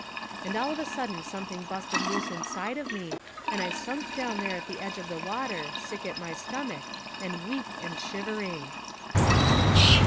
And all of a sudden something busted loose inside of me, and I sunk down there at the edge of the water, sick at my stomach, and weak and shivering.